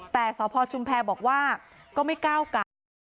แต่สพชุมแพรบอกว่าก็ไม่ก้าวไก่